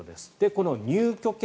この入居権